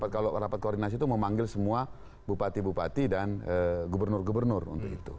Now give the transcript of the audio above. kalau rapat koordinasi itu memanggil semua bupati bupati dan gubernur gubernur untuk itu